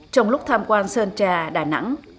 trong lúc tham quan sơn trà đà nẵng